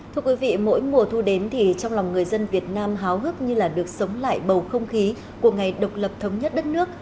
thưa quý vị mỗi mùa thu đến thì trong lòng người dân việt nam háo hức như là được sống lại bầu không khí của ngày độc lập thống nhất đất nước